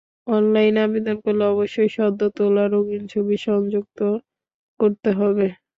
Online আবেদন করলে অবশ্যই সদ্য তোলা রঙিন ছবি সংযুক্ত করতে হবে।